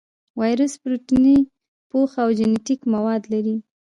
وایرس پروتیني پوښ او جینیټیک مواد لري.